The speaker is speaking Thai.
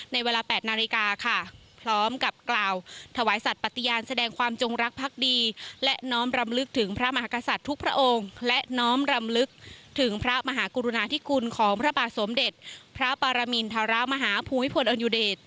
ในเวลาแปดนาฬิกาค่ะพร้อมกับกล่าว